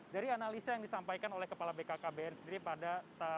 dari analisa yang disampaikan oleh kbkkbn sendiri pada tanggal ke dua tahun